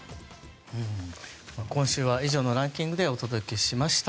今週は以上のランキングでお届けしました。